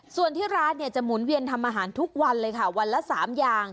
ส่วนที่ร้านเนี่ยจะหมุนเวียนทำอาหารทุกวันเลยค่ะวันละ๓อย่าง